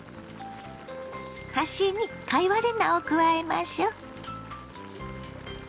端に貝割れ菜を加えましょ。